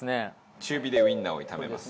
中火でウィンナーを炒めます。